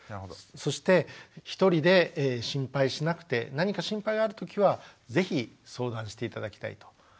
そして一人で心配しなくて何か心配があるときは是非相談して頂きたいと思います。